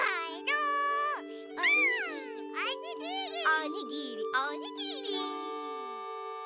おにぎりおにぎり！